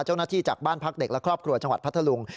เจ้าหน้าที่จากบ้านพักเด็กและครอบครัวจังหวัดพัทธลุง